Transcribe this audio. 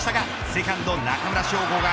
セカンド中村奨吾が